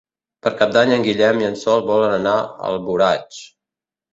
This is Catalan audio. Per Cap d'Any en Guillem i en Sol volen anar a Alboraig.